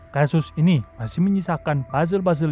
kasus ini masih menyisakan buzzle puzzle